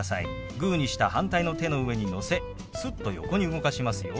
グーにした反対の手の上にのせすっと横に動かしますよ。